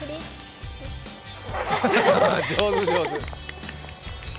上手、上手。